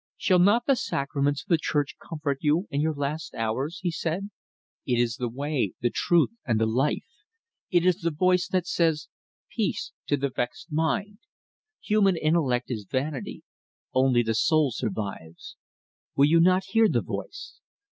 "Shall not the sacraments of the Church comfort you in your last hours?" he said. "It is the way, the truth, and the life. It is the Voice that says: 'Peace' to the vexed mind. Human intellect is vanity; only the soul survives. Will you not hear the Voice?